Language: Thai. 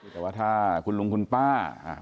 แต่ว่าถ้าคุณลุงคุณป้าคุณตาคุณยาย